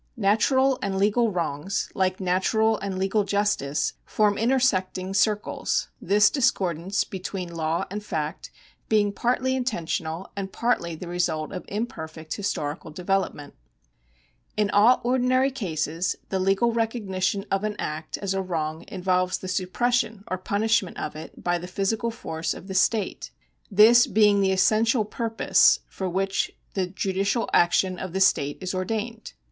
Natural and legal 179 180 LEGAL RIGHTS [§70 wrongs, like natural and legal justice, form intersecting circles, this discordance between law and fact being partly inten tional and partly tile result of imperfect historical develop ment. In all ordinary cases the legal recognition of an act as a wrong involves the suppression or punishment of it by the physical force of the state, this being the essential purpose for which the judicial action of the state is ordained.